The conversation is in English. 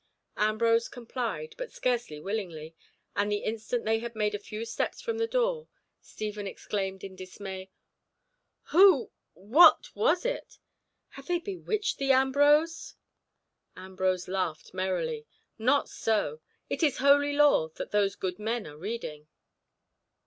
Ambrose complied, but scarcely willingly, and the instant they had made a few steps from the door, Stephen exclaimed in dismay, "Who—what was it? Have they bewitched thee, Ambrose?" Ambrose laughed merrily. "Not so. It is holy lore that those good men are reading."